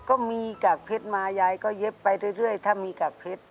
ก็มีกากเพชรมายายก็เย็บไปเรื่อยถ้ามีกากเพชร